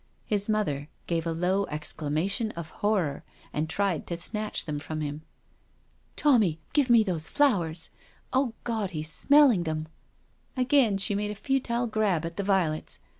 His mother gave a low exclamation of horror and tried to snatch them from him. " Tommy, give me those flowers. Oh God, he's smelling them I'* Again she made a futile grab at the violets.